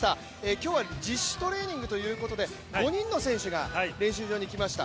今日は自主トレーニングということで５人の選手が練習場に来ました。